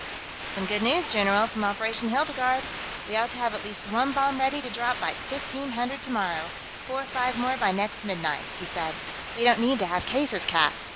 "Some good news, general, from Operation 'Hildegarde.' We ought to have at least one bomb ready to drop by 1500 tomorrow, four or five more by next midnight," he said. "We don't need to have cases cast.